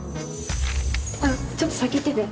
あっちょっと先行ってて。